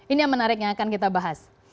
ini yang menarik yang akan kita bahas